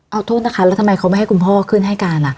เอาโทษนะคะแล้วทำไมเขาไม่ให้คุณพ่อขึ้นให้การ